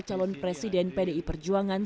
calon presiden pdi perjuangan